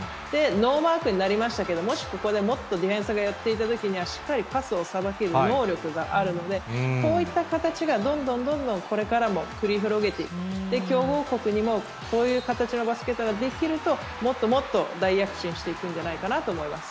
ノーマークになりましたけれども、もしここでもっとディフェンスが寄っていたときには、しっかりパスをさばける能力があるので、こういった形がどんどんどんどんこれからも繰り広げて、強豪国にもこういう形のバスケットができると、もっともっと大躍進していくんじゃないかなと思います。